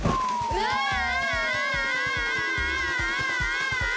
うわあ！